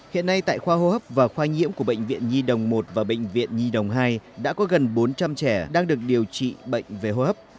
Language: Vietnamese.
hiện nay tại khoa hô hấp và khoa nhiễm của bệnh viện nhi đồng một và bệnh viện nhi đồng hai đã có gần bốn trăm linh trẻ đang được điều trị bệnh về hô hấp